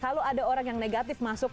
kalau ada orang yang negatif masuk